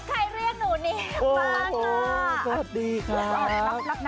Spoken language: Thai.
อะไรเรียกหนูนิดใครเรียกหนูนิด